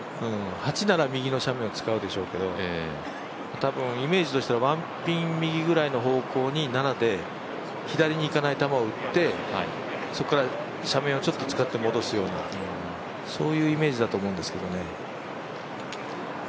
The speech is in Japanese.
８なら右の斜面を使うでしょうけれども、多分イメージとしては、１ピン右ぐらいの方向で７で左にいかない球を打って、そこから斜面を使ってちょっと戻すようにというイメージだと思うんですけどね。